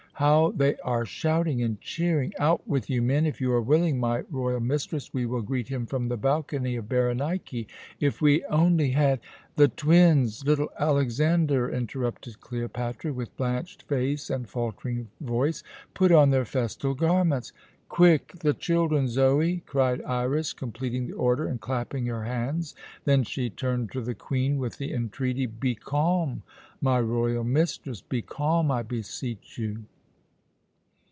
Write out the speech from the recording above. How they are shouting and cheering! Out with you, men! If you are willing, my royal mistress, we will greet him from the balcony of Berenike. If we only had " "The twins little Alexander!" interrupted Cleopatra, with blanched face and faltering voice. "Put on their festal garments." "Quick the children, Zoe!" cried Iras, completing the order and clapping her hands. Then she turned to the Queen with the entreaty: "Be calm, my royal mistress, be calm, I beseech you.